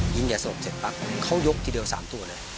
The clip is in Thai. ยิงอย่าสลบเสร็จปั๊บเค้ายกที่เดียวสามตัวเลย